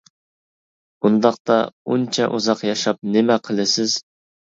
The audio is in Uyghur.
-ئۇنداقتا ئۇنچە ئۇزاق ياشاپ نېمە قىلىسىز؟ !